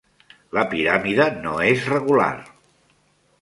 La piràmide no és regular.